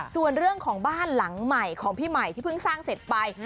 ส่วนเรื่องของบ้านหลังใหม่ของพี่ใหม่ที่เพิ่งสร้างเสร็จไป